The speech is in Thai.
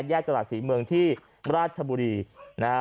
แยกจัดหลัดศรีเมืองที่ราชบุรีนะฮะ